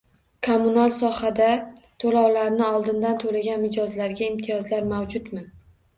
Kommunal sohada to‘lovlarni oldindan to‘lagan mijozlarga imtiyozlar mavjudmi?